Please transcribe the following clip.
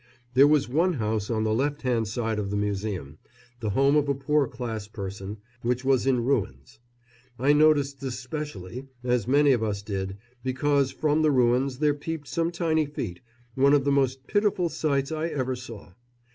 There was one house, on the left hand side of the Museum, the home of a poor class person, which was in ruins. I noticed this specially, as many of us did, because from the ruins there peeped some tiny feet one of the most pitiful sights I ever saw.